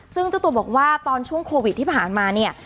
ซึ่งเจ้าตัวบอกว่าตอนช่วงโควิดที่ผ่านมาเนี่ย